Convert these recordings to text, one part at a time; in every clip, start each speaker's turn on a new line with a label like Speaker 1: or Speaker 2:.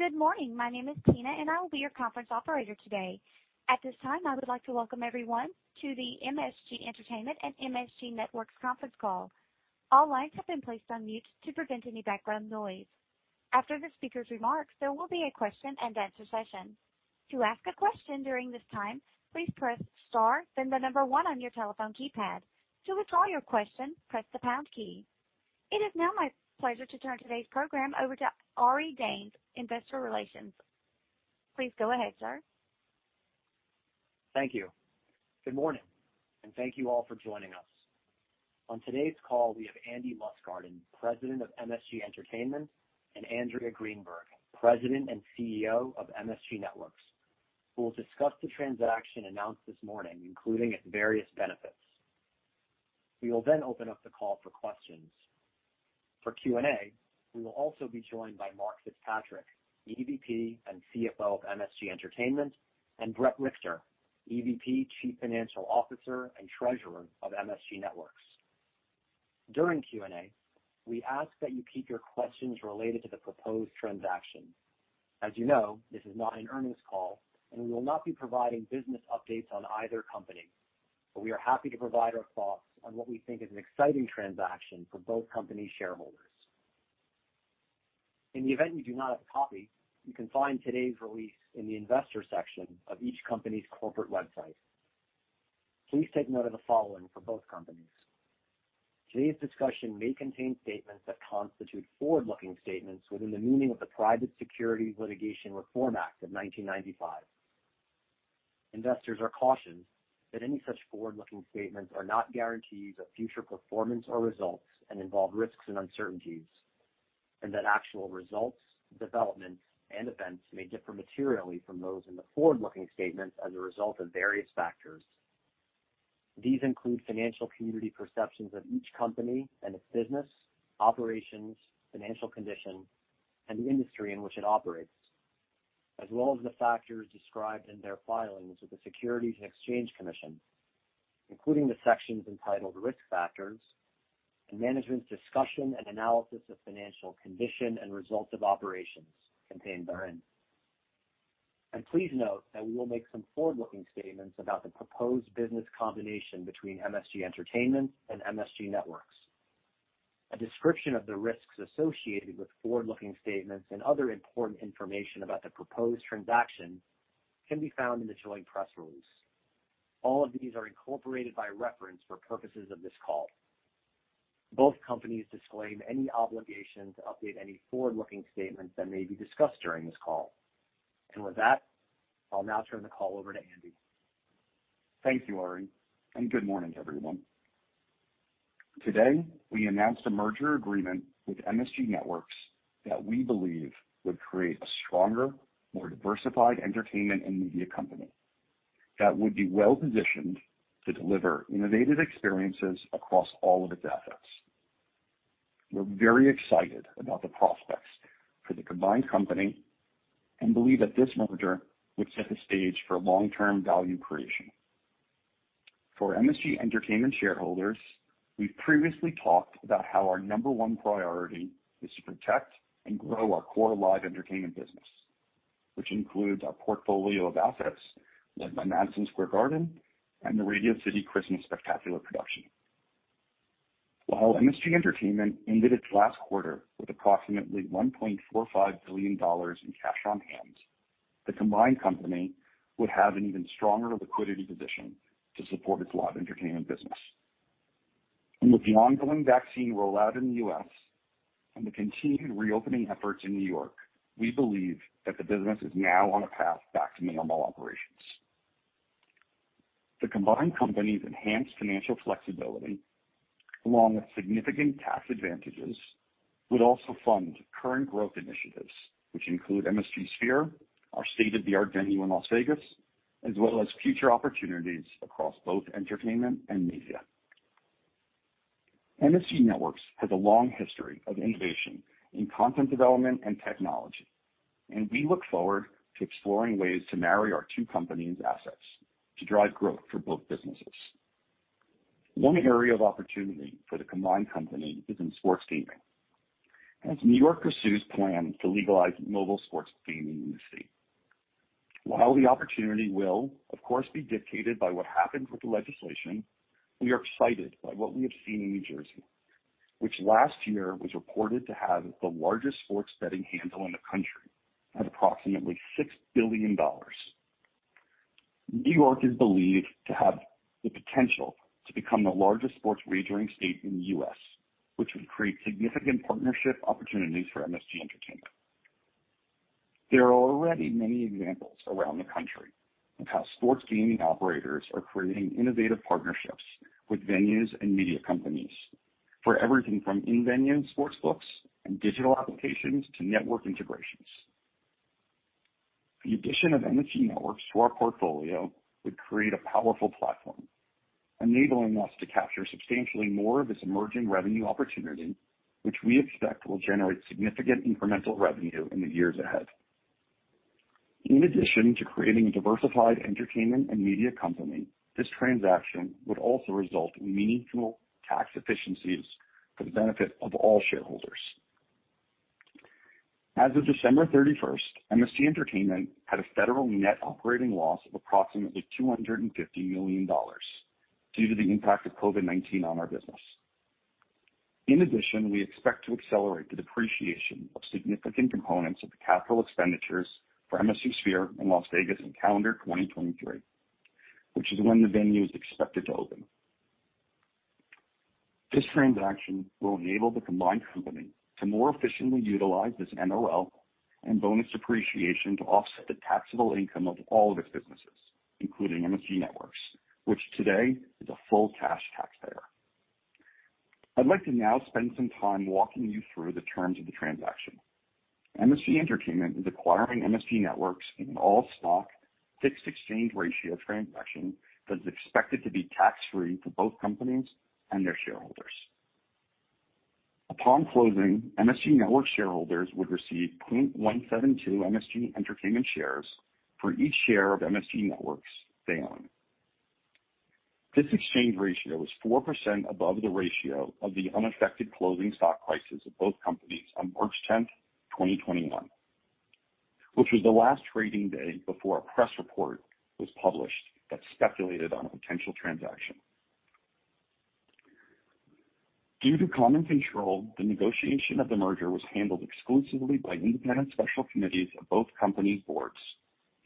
Speaker 1: Good morning. My name is Tina, and I will be your conference operator today. At this time, I would like to welcome everyone to the MSG Entertainment and MSG Networks conference call. All lines have been placed on mute to prevent any background noise. After the speaker's remarks, there will be a question-and-answer session. To ask a question during this time, please press star, then the number one on your telephone keypad. To withdraw your question, press the pound key. It is now my pleasure to turn today's program over to Ari Danes, Investor Relations. Please go ahead, sir.
Speaker 2: Thank you. Good morning, and thank you all for joining us. On today's call, we have Andy Lustgarten, President of MSG Entertainment, and Andrea Greenberg, President and CEO of MSG Networks, who will discuss the transaction announced this morning, including its various benefits. We will then open up the call for questions. For Q&A, we will also be joined by Mark Fitzpatrick, EVP and CFO of MSG Entertainment, and Bret Richter, EVP, Chief Financial Officer, and Treasurer of MSG Networks. During Q&A, we ask that you keep your questions related to the proposed transaction. As you know, this is not an earnings call, and we will not be providing business updates on either company, but we are happy to provide our thoughts on what we think is an exciting transaction for both companies' shareholders. In the event you do not have a copy, you can find today's release in the investor section of each company's corporate website. Please take note of the following for both companies. Today's discussion may contain statements that constitute forward-looking statements within the meaning of the Private Securities Litigation Reform Act of 1995. Investors are cautioned that any such forward-looking statements are not guarantees of future performance or results and involve risks and uncertainties, and that actual results, developments, and events may differ materially from those in the forward-looking statements as a result of various factors. These include financial community perceptions of each company and its business, operations, financial condition, and the industry in which it operates, as well as the factors described in their filings with the Securities and Exchange Commission, including the sections entitled Risk Factors and Management's Discussion and Analysis of Financial Condition and Results of Operations contained therein. And please note that we will make some forward-looking statements about the proposed business combination between MSG Entertainment and MSG Networks. A description of the risks associated with forward-looking statements and other important information about the proposed transaction can be found in the joint press release. All of these are incorporated by reference for purposes of this call. Both companies disclaim any obligation to update any forward-looking statements that may be discussed during this call. And with that, I'll now turn the call over to Andy.
Speaker 3: Thank you, Ari, and good morning, everyone. Today, we announced a merger agreement with MSG Networks that we believe would create a stronger, more diversified entertainment and media company that would be well-positioned to deliver innovative experiences across all of its assets. We're very excited about the prospects for the combined company and believe that this merger would set the stage for long-term value creation. For MSG Entertainment shareholders, we've previously talked about how our number one priority is to protect and grow our core live entertainment business, which includes our portfolio of assets led by Madison Square Garden and the Radio City Christmas Spectacular production. While MSG Entertainment ended its last quarter with approximately $1.45 billion in cash on hand, the combined company would have an even stronger liquidity position to support its live entertainment business. And with the ongoing vaccine rollout in the U.S. And the continued reopening efforts in New York, we believe that the business is now on a path back to normal operations. The combined company's enhanced financial flexibility, along with significant tax advantages, would also fund current growth initiatives, which include MSG Sphere, our state-of-the-art venue in Las Vegas, as well as future opportunities across both entertainment and media. MSG Networks has a long history of innovation in content development and technology, and we look forward to exploring ways to marry our two companies' assets to drive growth for both businesses. One area of opportunity for the combined company is in sports gaming, as New York pursues plans to legalize mobile sports gaming in the state. While the opportunity will, of course, be dictated by what happens with the legislation, we are excited by what we have seen in New Jersey, which last year was reported to have the largest sports betting handle in the country at approximately $6 billion. New York is believed to have the potential to become the largest sports wagering state in the U.S., which would create significant partnership opportunities for MSG Entertainment. There are already many examples around the country of how sports gaming operators are creating innovative partnerships with venues and media companies for everything from in-venue sportsbooks and digital applications to network integrations. The addition of MSG Networks to our portfolio would create a powerful platform, enabling us to capture substantially more of this emerging revenue opportunity, which we expect will generate significant incremental revenue in the years ahead. In addition to creating a diversified entertainment and media company, this transaction would also result in meaningful tax efficiencies for the benefit of all shareholders. As of December 31st, MSG Entertainment had a federal net operating loss of approximately $250 million due to the impact of COVID-19 on our business. In addition, we expect to accelerate the depreciation of significant components of the capital expenditures for MSG Sphere in Las Vegas in calendar 2023, which is when the venue is expected to open. This transaction will enable the combined company to more efficiently utilize this NOL and bonus depreciation to offset the taxable income of all of its businesses, including MSG Networks, which today is a full cash taxpayer. I'd like to now spend some time walking you through the terms of the transaction. MSG Entertainment is acquiring MSG Networks in an all-stock fixed exchange ratio transaction that is expected to be tax-free for both companies and their shareholders. Upon closing, MSG Networks shareholders would receive 0.172 MSG Entertainment shares for each share of MSG Networks they own. This exchange ratio was 4% above the ratio of the unaffected closing stock prices of both companies on March 10th, 2021, which was the last trading day before a press report was published that speculated on a potential transaction. Due to common control, the negotiation of the merger was handled exclusively by independent special committees of both companies' boards,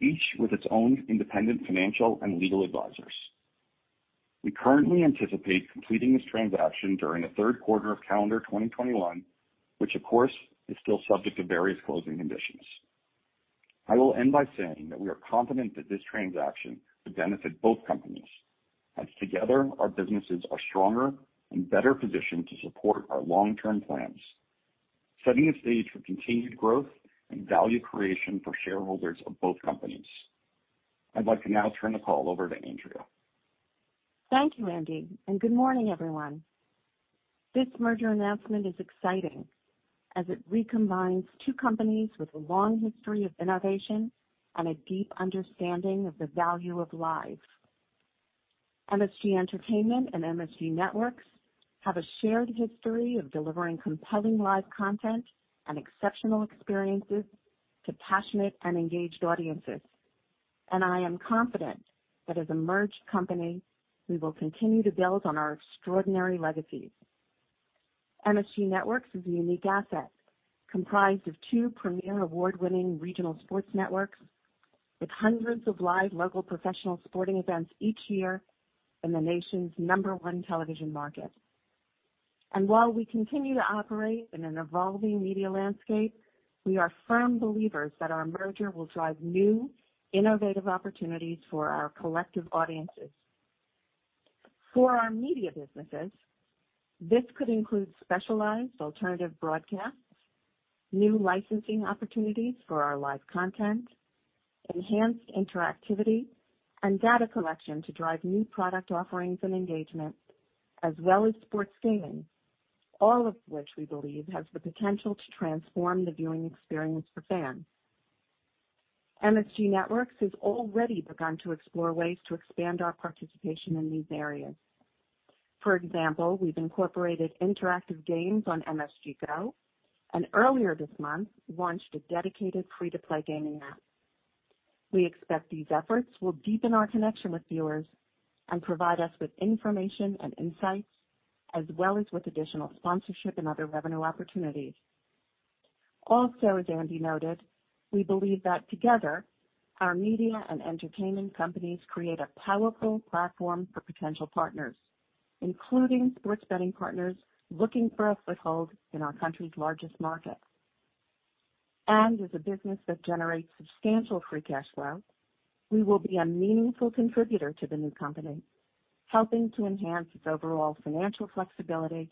Speaker 3: each with its own independent financial and legal advisors. We currently anticipate completing this transaction during the third quarter of calendar 2021, which, of course, is still subject to various closing conditions. I will end by saying that we are confident that this transaction would benefit both companies, as together our businesses are stronger and better positioned to support our long-term plans, setting the stage for continued growth and value creation for shareholders of both companies. I'd like to now turn the call over to Andrea.
Speaker 4: Thank you, Andy, and good morning, everyone. This merger announcement is exciting as it recombines two companies with a long history of innovation and a deep understanding of the value of live. MSG Entertainment and MSG Networks have a shared history of delivering compelling live content and exceptional experiences to passionate and engaged audiences, and I am confident that as a merged company, we will continue to build on our extraordinary legacies. MSG Networks is a unique asset comprised of two premier award-winning regional sports networks with hundreds of live local professional sporting events each year in the nation's number one television market, and while we continue to operate in an evolving media landscape, we are firm believers that our merger will drive new innovative opportunities for our collective audiences. For our media businesses, this could include specialized alternative broadcasts, new licensing opportunities for our live content, enhanced interactivity, and data collection to drive new product offerings and engagement, as well as sports gaming, all of which we believe has the potential to transform the viewing experience for fans. MSG Networks has already begun to explore ways to expand our participation in these areas. For example, we've incorporated interactive games on MSG GO and earlier this month launched a dedicated free-to-play gaming app. We expect these efforts will deepen our connection with viewers and provide us with information and insights, as well as with additional sponsorship and other revenue opportunities. Also, as Andy noted, we believe that together our media and entertainment companies create a powerful platform for potential partners, including sports betting partners looking for a foothold in our country's largest market. As a business that generates substantial free cash flow, we will be a meaningful contributor to the new company, helping to enhance its overall financial flexibility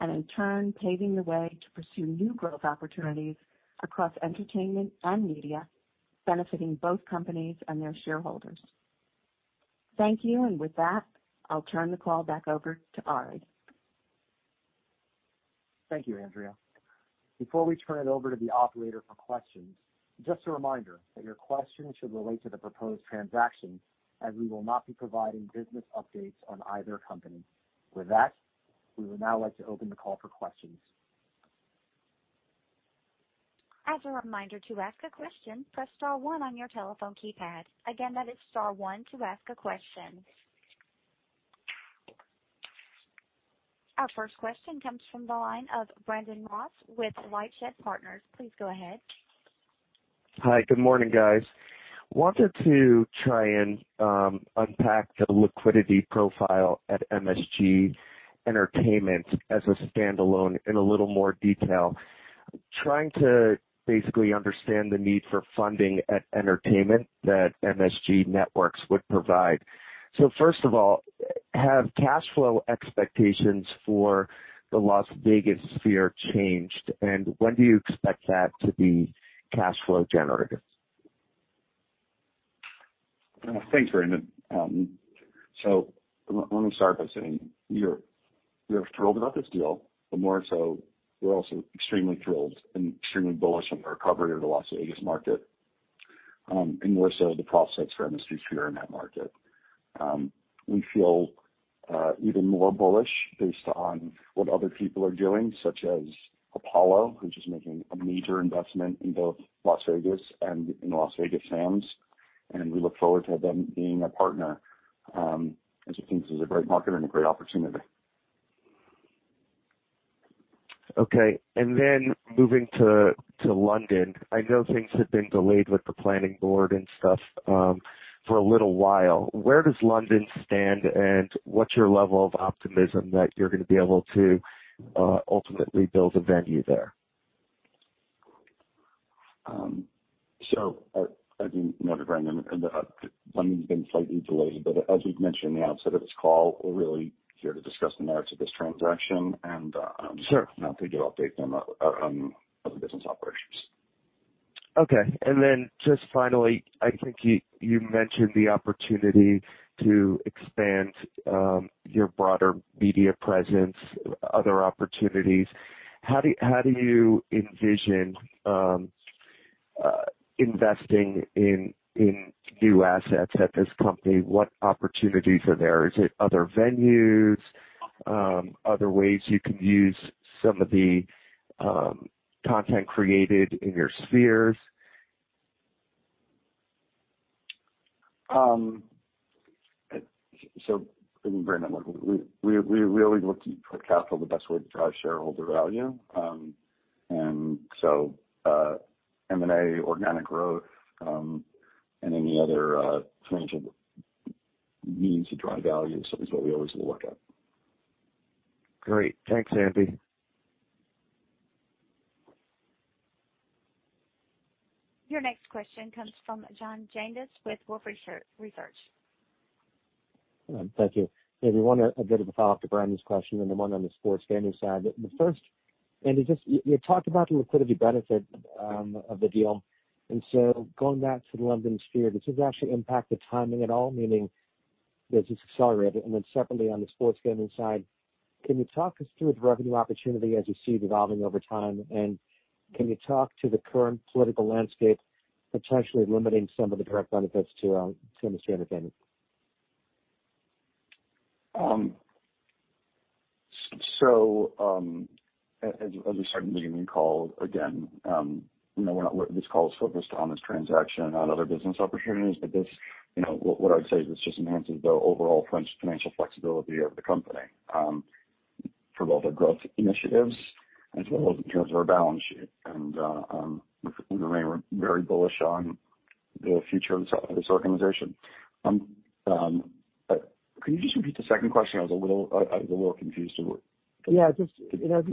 Speaker 4: and, in turn, paving the way to pursue new growth opportunities across entertainment and media, benefiting both companies and their shareholders. Thank you, and with that, I'll turn the call back over to Ari.
Speaker 2: Thank you, Andrea. Before we turn it over to the operator for questions, just a reminder that your question should relate to the proposed transaction, as we will not be providing business updates on either company. With that, we would now like to open the call for questions.
Speaker 1: As a reminder to ask a question, press star one on your telephone keypad. Again, that is star one to ask a question. Our first question comes from the line of Brandon Ross with LightShed Partners. Please go ahead.
Speaker 5: Hi, good morning, guys. Wanted to try and unpack the liquidity profile at MSG Entertainment as a standalone in a little more detail, trying to basically understand the need for funding at entertainment that MSG Networks would provide. So first of all, have cash flow expectations for the Las Vegas Sphere changed, and when do you expect that to be cash flow generative?
Speaker 3: Thanks, Brandon. So let me start by saying we are thrilled about this deal, but more so we're also extremely thrilled and extremely bullish on the recovery of the Las Vegas market and more so the prospects for MSG Sphere in that market. We feel even more bullish based on what other people are doing, such as Apollo, which is making a major investment in both Las Vegas and in Las Vegas Sands, and we look forward to them being a partner as we think this is a great market and a great opportunity.
Speaker 5: Okay, and then moving to London, I know things have been delayed with the planning board and stuff for a little while. Where does London stand, and what's your level of optimism that you're going to be able to ultimately build a venue there?
Speaker 3: So as you noted, Brandon, London's been slightly delayed, but as we've mentioned in the outset of this call, we're really here to discuss the merits of this transaction and not to give updates on other business operations.
Speaker 5: Okay, and then just finally, I think you mentioned the opportunity to expand your broader media presence, other opportunities. How do you envision investing in new assets at this company? What opportunities are there? Is it other venues, other ways you can use some of the content created in your spheres?
Speaker 3: Brandon, we really look to put capital the best way to drive shareholder value, and so M&A, organic growth, and any other means to drive value is what we always will look at.
Speaker 5: Great, thanks, Andy.
Speaker 1: Your next question comes from John Janedis with Wolfe Research.
Speaker 6: Thank you. Maybe one bit of a follow-up to Brandon's question and the one on the sports gaming side. The first, Andy, just you talked about the liquidity benefit of the deal, and so going back to the London Sphere, does this actually impact the timing at all, meaning does this accelerate it? And then separately on the sports gaming side, can you talk us through the revenue opportunity as you see it evolving over time, and can you talk to the current political landscape potentially limiting some of the direct benefits to MSG Entertainment?
Speaker 3: As we started the beginning of the call, again, this call is focused on this transaction and on other business opportunities, but what I would say is this just enhances the overall financial flexibility of the company for both our growth initiatives as well as in terms of our balance sheet, and we remain very bullish on the future of this organization. Can you just repeat the second question? I was a little confused.
Speaker 6: Yeah, just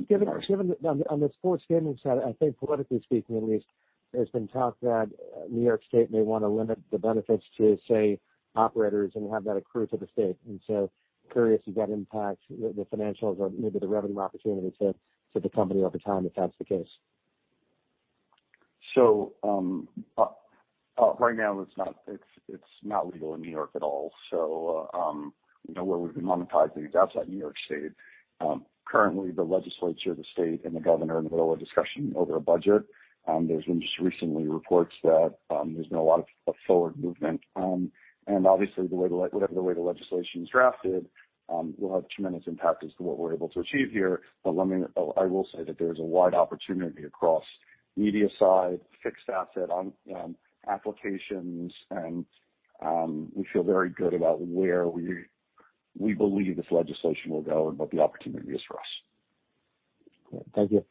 Speaker 6: given on the sports gaming side, I think politically speaking, at least, there's been talk that New York State may want to limit the benefits to, say, operators and have that accrue to the state. And so curious if that impacts the financials or maybe the revenue opportunity to the company over time if that's the case?
Speaker 3: So right now it's not legal in New York at all, so where we've been monetizing is outside New York State. Currently, the legislature, the state, and the governor are in the middle of a discussion over a budget. There's been just recently reports that there's been a lot of forward movement, and obviously whatever the way the legislation is drafted will have tremendous impact as to what we're able to achieve here. But I will say that there is a wide opportunity across media side, fixed asset applications, and we feel very good about where we believe this legislation will go and what the opportunity is for us.
Speaker 6: Thank you.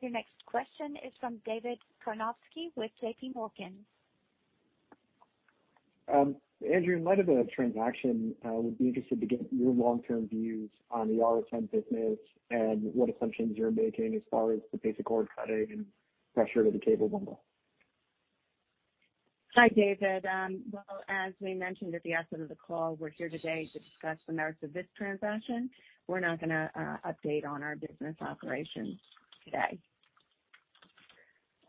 Speaker 1: Your next question is from David Karnovsky with JPMorgan.
Speaker 7: Andrea, in light of the transaction, I would be interested to get your long-term views on the RSNs business and what assumptions you're making as far as the basic cord cutting and pressure to the cable bundle.
Speaker 4: Hi, David. Well, as we mentioned at the outset of the call, we're here today to discuss the merits of this transaction. We're not going to update on our business operations today.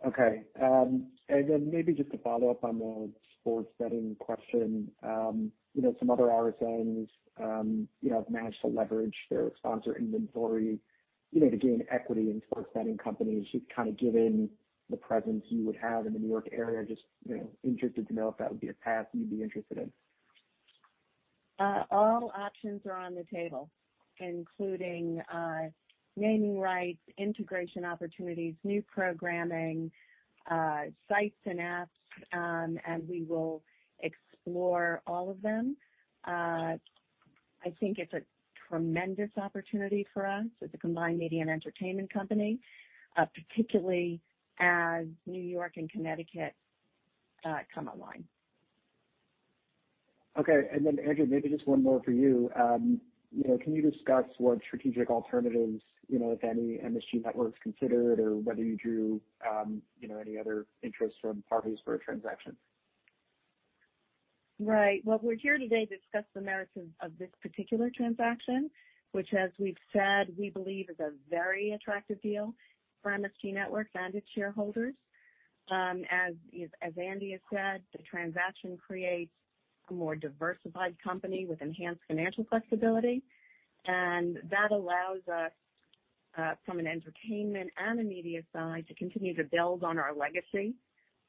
Speaker 7: Okay, and then maybe just to follow up on the sports betting question, some other RSNs have managed to leverage their sponsor inventory to gain equity in sports betting companies. Just kind of given the presence you would have in the New York area, just interested to know if that would be a path you'd be interested in.
Speaker 4: All options are on the table, including naming rights, integration opportunities, new programming, sites and apps, and we will explore all of them. I think it's a tremendous opportunity for us as a combined media and entertainment company, particularly as New York and Connecticut come online.
Speaker 7: Okay, and then Andrea, maybe just one more for you. Can you discuss what strategic alternatives, if any, MSG Networks considered or whether you drew any other interest from parties for a transaction?
Speaker 4: Right, well, we're here today to discuss the merits of this particular transaction, which, as we've said, we believe is a very attractive deal for MSG Network and its shareholders. As Andy has said, the transaction creates a more diversified company with enhanced financial flexibility, and that allows us, from an entertainment and a media side, to continue to build on our legacy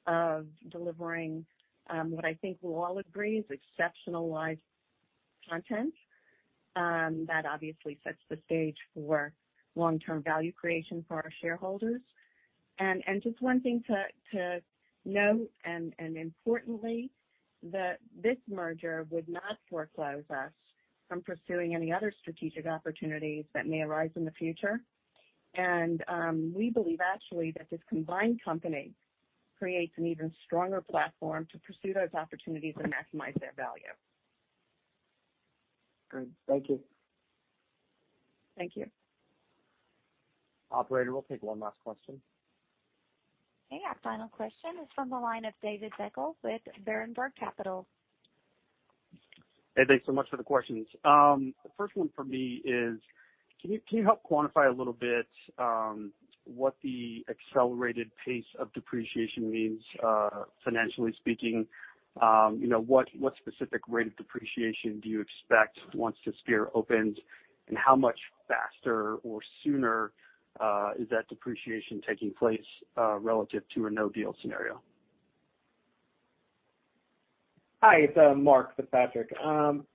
Speaker 4: of delivering what I think we'll all agree is exceptional live content. That obviously sets the stage for long-term value creation for our shareholders. And just one thing to note, and importantly, that this merger would not foreclose us from pursuing any other strategic opportunities that may arise in the future. And we believe, actually, that this combined company creates an even stronger platform to pursue those opportunities and maximize their value.
Speaker 7: Good, thank you.
Speaker 4: Thank you.
Speaker 2: Operator, we'll take one last question.
Speaker 1: Our final question is from the line of David Joyce with Berenberg Capital Markets.
Speaker 8: Hey, thanks so much for the questions. The first one for me is, can you help quantify a little bit what the accelerated pace of depreciation means, financially speaking? What specific rate of depreciation do you expect once the Sphere opens, and how much faster or sooner is that depreciation taking place relative to a no-deal scenario?
Speaker 9: Hi, it's Mark Fitzpatrick.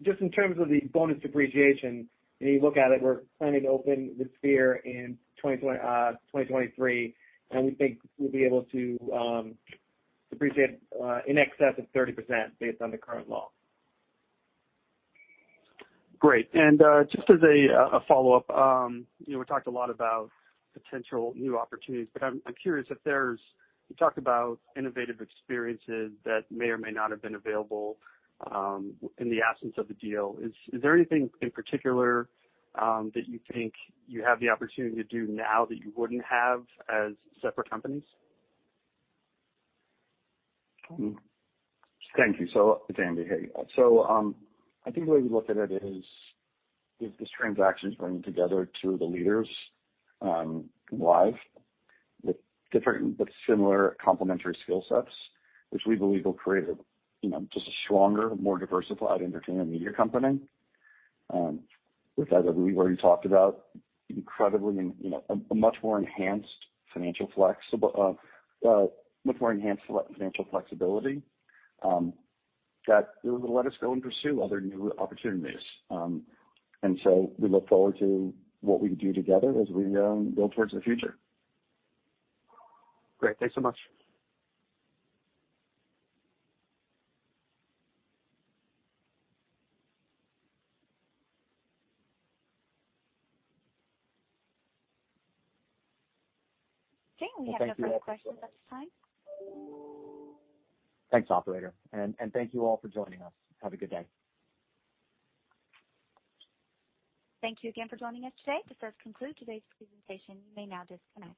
Speaker 9: Just in terms of the bonus depreciation, you look at it, we're planning to open the Sphere in 2023, and we think we'll be able to depreciate in excess of 30% based on the current law.
Speaker 8: Great, and just as a follow-up, we talked a lot about potential new opportunities, but I'm curious if there's you talked about innovative experiences that may or may not have been available in the absence of the deal. Is there anything in particular that you think you have the opportunity to do now that you wouldn't have as separate companies?
Speaker 3: Thank you. So, Andy, so I think the way we look at it is this transaction is bringing together two of the leaders in live with different but similar complementary skill sets, which we believe will create just a stronger, more diversified entertainment media company. With that, I believe we've already talked about incredible, a much more enhanced financial flexibility that will let us go and pursue other new opportunities. And so we look forward to what we can do together as we go towards the future.
Speaker 8: Great, thanks so much.
Speaker 1: I think we have no other questions at this time.
Speaker 2: Thanks, operator, and thank you all for joining us. Have a good day.
Speaker 1: Thank you again for joining us today. This does conclude today's presentation. You may now disconnect.